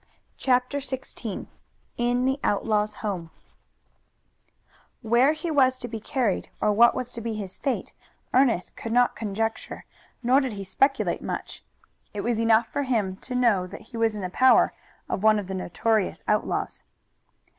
CHAPTER XVI IN THE OUTLAW'S HOME Where he was to be carried or what was to be his fate, Ernest could not conjecture, nor did he speculate much. It was enough for him to know that he was in the power of one of the notorious outlaws.